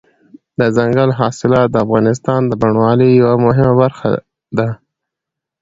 دځنګل حاصلات د افغانستان د بڼوالۍ یوه مهمه برخه ده.